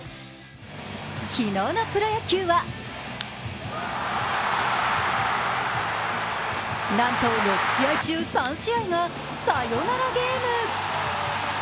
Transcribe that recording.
昨日のプロ野球はなんと６試合中３試合がサヨナラゲーム。